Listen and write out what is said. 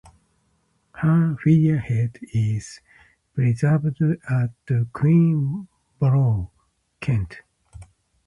Her figurehead is preserved at Queenborough, Kent.